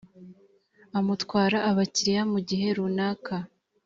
amutwara abakiriya mu gihe runaka